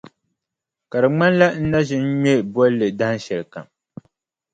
Ka di ŋmanila n na ʒi n-ŋme bolli dahinshɛli kam.